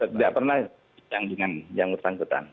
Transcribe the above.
tidak pernah bincang dengan yang bersangkutan